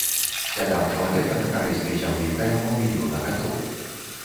Слядам чалавека на карэйскай зямлі каля паўмільёна гадоў.